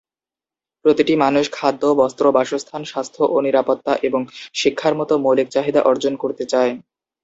প্রতিটি মানুষ খাদ্য, বস্ত্র, বাসস্থান, স্বাস্থ্য ও নিরাপত্তা এবং শিক্ষার মত মৌলিক চাহিদা অর্জন করতে চায়।